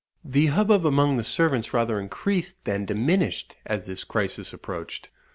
The hubbub among the servants rather increased than diminished as this crisis approached.